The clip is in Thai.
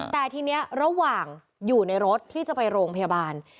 แต่ทีนี้ระหว่างอยู่ในรถที่จะไปโรงพยาบาล